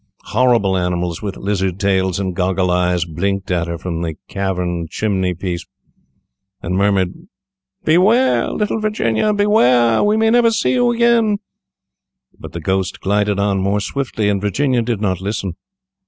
Horrible animals with lizard tails and goggle eyes blinked at her from the carven chimneypiece, and murmured, "Beware! little Virginia, beware! we may never see you again," but the Ghost glided on more swiftly, and Virginia did not listen.